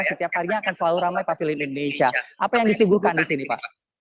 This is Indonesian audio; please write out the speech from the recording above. setiap harinya akan selalu ramai pavilion indonesia apa yang disuguhkan di sini pak